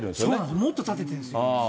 もっと立ててるんです。